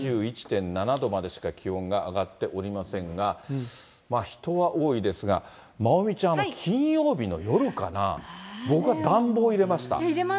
２１．７度までしか気温が上がっておりませんが、人は多いですが、まおみちゃん、金曜日の夜から僕は暖房入れました、東京は。